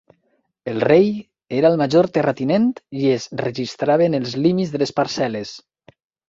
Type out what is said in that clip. El rei era el major terratinent i es registraven els límits de les parcel·les.